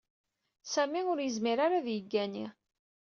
Sami ur yezmir-ara ad yeggani.